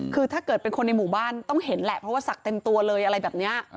คือถ้าเกิดเป็นคนในหมู่บ้านต้องเห็นแหละเพราะว่าศักดิ์เต็มตัวเลยอะไรแบบนี้